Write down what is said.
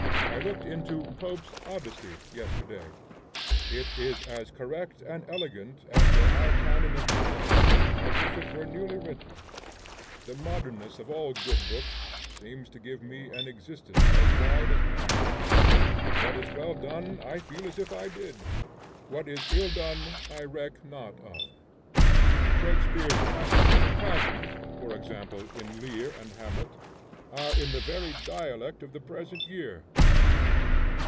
I looked into Pope's Odyssey yesterday: it is as correct and elegant after our canon of to day as if it were newly written. The modernness of all good books seems to give me an existence as wide as man. What is well done I feel as if I did; what is ill done I reck not of. Shakspeare's passages of passion (for example, in Lear and Hamlet) are in the very dialect of the present year.